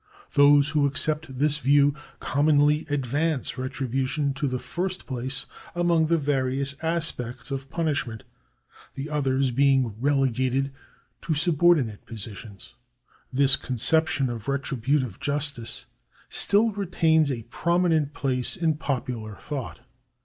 Those who accept this view commonly advance retribution to the first place among the various aspects of punishment, the others being relegated to sub ordinate positions. This conception of retributive justice still retains a pro minent place in popular thought.